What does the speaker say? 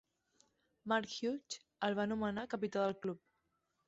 Mark Hughes el va nomenar capità del club.